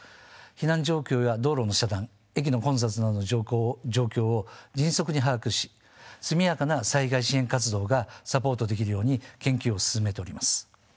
避難状況や道路の遮断駅の混雑などの状況を迅速に把握し速やかな災害支援活動がサポートできるように研究を進めております。